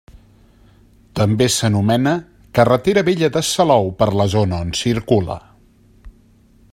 També s'anomena Carretera Vella de Salou per la zona on circula.